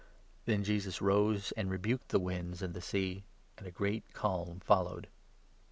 "" Then Jesus rose and rebuked the winds and the sea, and a great calm followed.